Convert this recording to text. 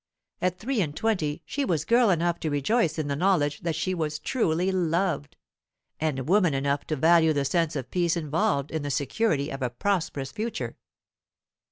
At three and twenty she was girl enough to rejoice in the knowledge that she was truly loved, and woman enough to value the sense of peace involved in the security of a prosperous future.